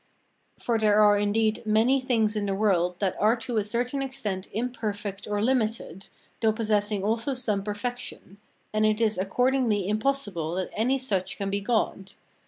For there are indeed many things in the world that are to a certain extent imperfect or limited, though possessing also some perfection; and it is accordingly impossible that any such can be in God.